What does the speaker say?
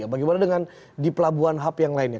bagaimana dengan di pelabuhan hub yang lainnya